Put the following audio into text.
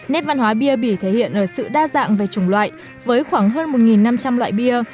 nét văn hóa bia bỉ thể hiện ở sự đa dạng về chủng loại với khoảng hơn một năm trăm linh loại bia